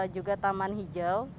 juga taman hijau